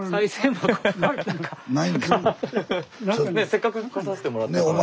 せっかく来させてもらったから。